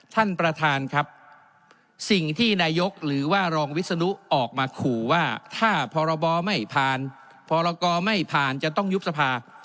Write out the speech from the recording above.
ท่านประธานครับสิ่งที่นายกหรือว่ารองวิศนุออกมาขู่ว่าถ้าพรบไม่ผ่านพรกรไม่ผ่านจะต้องยุบสภา